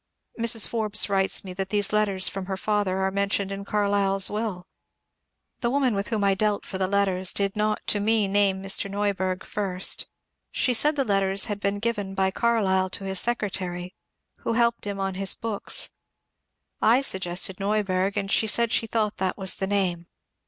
Mrs. Forbes writes me that these letters from her father are mentioned in Carlyle's will. The woman with whom I dealt for the letters did not to me name Mr. Neuberg first. She said the letters had been given by Carlyle to his secretary who helped him on his books. I suggested Neuberg, and she said she thought that was the name.